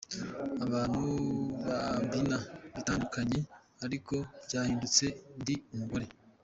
Abantu bambina bitandukanye ariko byahindutse, ndi umugore”.